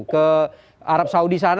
ke arab saudi sana